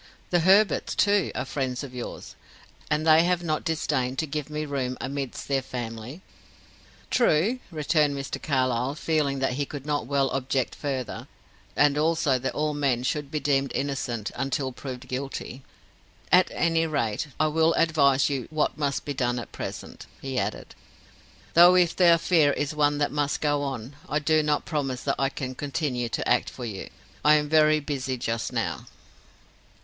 The Herberts, too, are friends of yours, and they have not disdained to give me room amidst their family." "True," returned Mr. Carlyle, feeling that he could not well object further; and also that all men should be deemed innocent until proved guilty. "At any rate, I will advise you what must be done at present," he added, "though if the affair is one that must go on, I do not promise that I can continue to act for you. I am very busy just now."